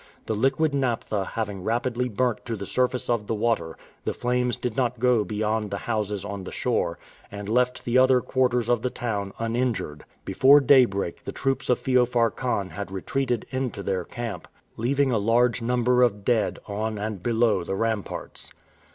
The liquid naphtha having rapidly burnt to the surface of the water, the flames did not go beyond the houses on the shore, and left the other quarters of the town uninjured. Before daybreak the troops of Feofar Khan had retreated into their camp, leaving a large number of dead on and below the ramparts.